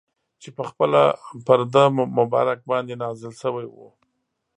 چي پخپله پر ده مبارک باندي نازل سوی وو.